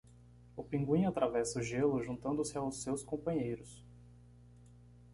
O pinguim atravessa o gelo juntando-se aos seus companheiros.